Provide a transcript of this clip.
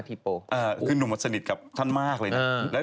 เดินตรงโกรธถ่ายรูปทำไมเธอ